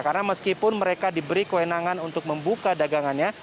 karena meskipun mereka diberi kewenangan untuk membuka dagangannya